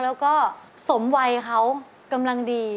แล้วก็สมวัยเขากำลังดี